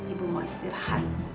ibu mau istirahat